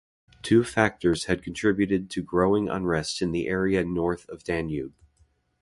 Two factors had contributed to growing unrest in the area north of Danube.